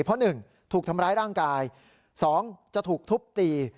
เพราะ๑ถูกทำร้ายร่างกาย๒จะถูกทุบตี